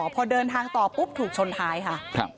พอเดินทางต่อปุ๊บถูกชนท้ายค่ะ